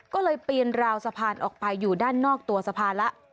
ก็เลยปีนราวสะพานออกไปอยู่ด้านนอกตัวสะพานแล้ว